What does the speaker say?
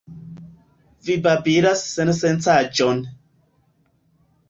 Vi babilas sensencaĵon!